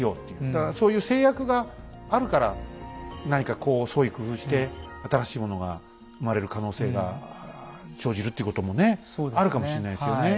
だからそういう制約があるから何かこう創意工夫して新しいものが生まれる可能性が生じるっていうこともねあるかもしれないですよね。